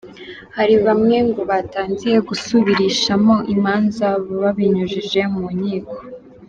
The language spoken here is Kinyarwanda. Hari bamwe ngo batangiye gusubirishamo imanza babinyujije mu nkiko.